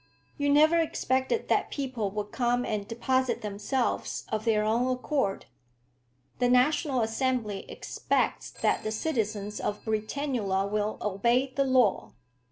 You never expected that people would come and deposit themselves of their own accord." "The National Assembly expects that the citizens of Britannula will obey the law."